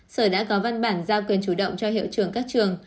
sở đã có văn bản giao quyền chủ động cho hiệu trưởng các trường